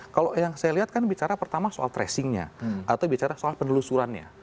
kalau yang saya lihat kan bicara pertama soal tracingnya atau bicara soal penelusurannya